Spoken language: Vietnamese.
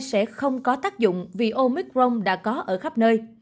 sẽ không có tác dụng vì omicron đã có ở khắp nơi